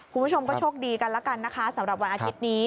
คุณผู้ชมก็โชคดีกันแล้วกันนะคะสำหรับวันอาทิตย์นี้